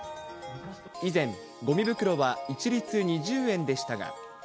以前、ごみ袋は一律２０円でしたが。